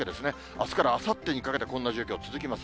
あすからあさってにかけて、こんな状況続きます。